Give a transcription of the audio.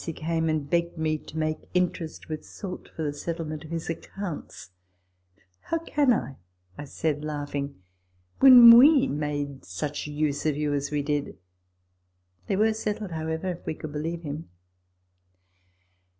vi. 156. TABLE TALK OF SAMUEL ROGERS 235 came and begged me to make interest with Soult for the settlement of his accounts. " How can I ?" I said, laughing, " when we made such use of you as we did ?" They were settled, however, if we could believe him.